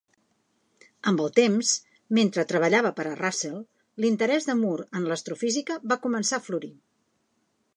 Amb el temps, mentre treballava per a Russell, l'interès de Moore en l'astrofísica va començar a florir.